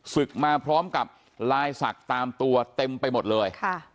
ศึกมาพร้อมกับลายศักดิ์ตามตัวเต็มไปหมดเลย